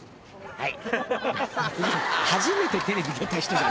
はい。